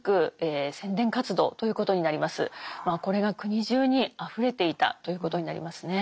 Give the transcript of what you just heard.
まあこれが国じゅうにあふれていたということになりますね。